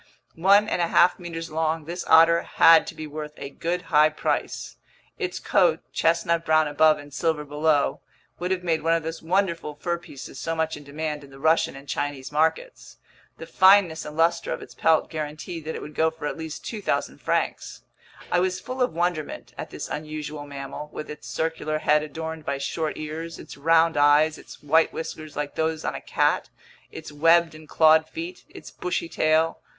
One and a half meters long, this otter had to be worth a good high price. Its coat, chestnut brown above and silver below, would have made one of those wonderful fur pieces so much in demand in the Russian and Chinese markets; the fineness and luster of its pelt guaranteed that it would go for at least 2,000 francs. I was full of wonderment at this unusual mammal, with its circular head adorned by short ears, its round eyes, its white whiskers like those on a cat, its webbed and clawed feet, its bushy tail.